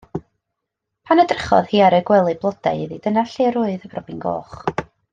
Pan edrychodd hi ar y gwely blodau iddi dyna lle roedd y robin goch.